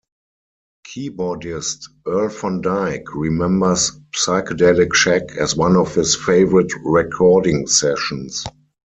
Keyboardist Earl Van Dyke remembers "Psychedelic Shack" as one of his favorite recording sessions.